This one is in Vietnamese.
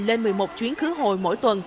lên một mươi một chuyến khứ hội mỗi tuần